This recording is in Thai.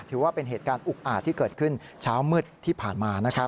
ถือว่าเป็นเหตุการณ์อุกอาจที่เกิดขึ้นเช้ามืดที่ผ่านมานะครับ